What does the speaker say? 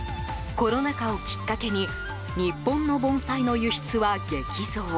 コロナ禍をきっかけに日本の盆栽の輸出は激増。